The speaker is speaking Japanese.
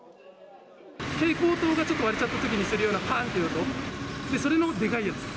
蛍光灯がちょっと割れちゃったときにするようなぱーんという音、それのでかいやつ。